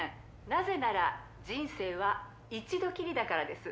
「なぜなら人生は一度きりだからです」